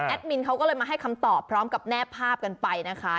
มินเขาก็เลยมาให้คำตอบพร้อมกับแนบภาพกันไปนะคะ